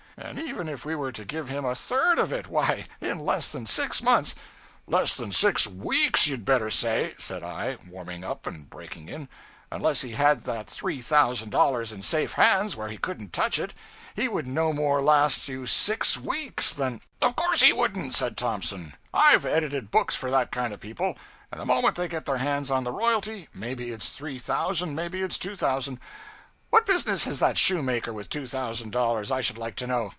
And even if we were to give him a _third _of it; why, in less than six months ' 'Less than six weeks, you'd better say!' said I, warming up and breaking in. 'Unless he had that three thousand dollars in safe hands where he couldn't touch it, he would no more last you six weeks than ' 'Of _course _he wouldn't,' said Thompson; 'I've edited books for that kind of people; and the moment they get their hands on the royalty maybe it's three thousand, maybe it's two thousand ' 'What business has that shoemaker with two thousand dollars, I should like to know?'